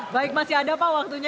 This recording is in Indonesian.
baik masih ada pak waktunya